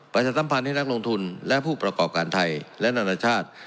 สัมพันธ์ให้นักลงทุนและผู้ประกอบการไทยและนานาชาติ